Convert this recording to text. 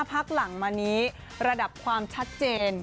พักหลังมานี้ระดับความชัดเจน